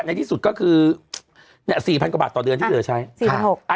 ในที่สุดก็คือเนี่ยสี่พันกว่าบาทต่อเดือนที่เหลือใช้สี่พันหกอ่า